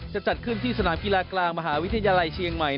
จะจัดขึ้นที่สนามกีฬากลางมหาวิทยาลัยเชียงใหม่